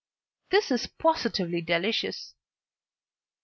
This is positively delicious.